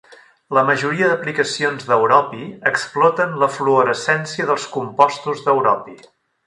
La majoria d"aplicacions d"europi exploten la fluorescència dels compostos d"europi.